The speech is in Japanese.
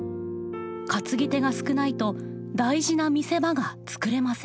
担ぎ手が少ないと大事な見せ場が作れません。